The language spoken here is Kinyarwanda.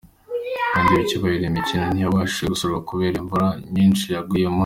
bindi byiciro imikino ntiyabashije gusozwa kubera imvura nyinshi yaguye mu